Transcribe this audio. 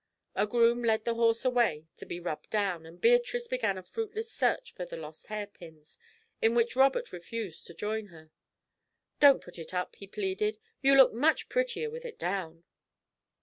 A groom led the horse away to be rubbed down, and Beatrice began a fruitless search for the lost hairpins, in which Robert refused to join her. "Don't put it up," he pleaded, "you look so much prettier with it down."